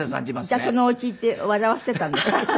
じゃあそのおうちに行って笑わせてたんですか？